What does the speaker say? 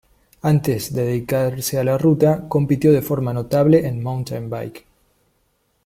Antes de dedicarse a la ruta, compitió de forma notable en mountain-bike.